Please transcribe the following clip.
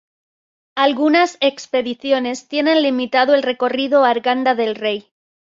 Algunas expediciones tienen limitado el recorrido a Arganda del Rey.